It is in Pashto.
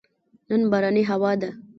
نن بارانې هوا ده